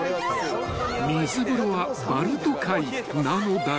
［水風呂はバルト海なのだが］